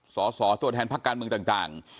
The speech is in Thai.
ส่อตัวแทนภาคการเมืองต่าง